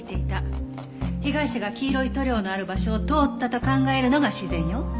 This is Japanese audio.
被害者が黄色い塗料のある場所を通ったと考えるのが自然よ。